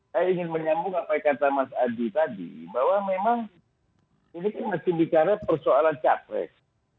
saya ingin menyambung apa yang kata mas adi tadi bahwa memang ini kan mesti bicara persoalan capres